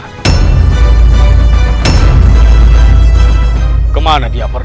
aku harus mencari cara